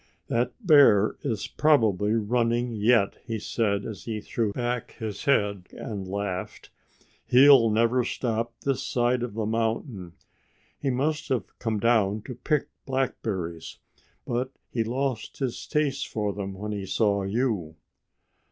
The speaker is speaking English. "That bear is probably running yet," he said as he threw back his head and laughed. "He'll never stop this side of the mountain. He must have come down to pick blackberries. But he lost his taste for them when he saw you."